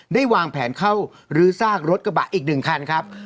ได้วางแผนเข้ารื้อซากรถกระบะอีกหนึ่งครั้งครับ